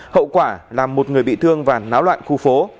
hậu quả là một người bị thương và náo loạn khu phố